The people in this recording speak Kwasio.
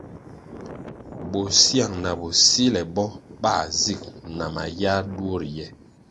Bosyang na bosile bo bā zig na mayar duo riye.